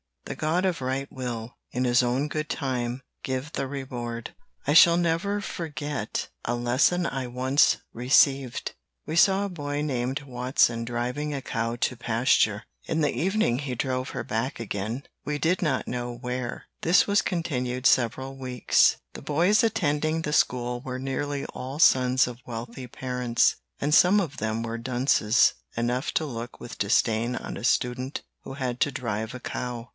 The God of right will, in his own good time, give the reward.] I shall never forget a lesson I once received. We saw a boy named Watson driving a cow to pasture. In the evening he drove her back again, we did not know where. This was continued several weeks. The boys attending the school were nearly all sons of wealthy parents, and some of them were dunces enough to look with disdain on a student who had to drive a cow.